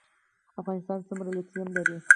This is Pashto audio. افغانستان څومره لیتیم لري؟